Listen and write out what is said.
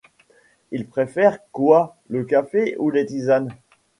Il préfère quoi ? Le café ou les tisanes ?